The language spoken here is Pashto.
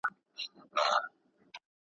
تېر به د ځوانۍ له پسرلیو لکه باد سمه `